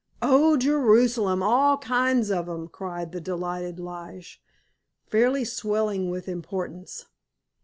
"O Jerusalem, all kinds of 'em!" cried the delighted Lige, fairly swelling with importance.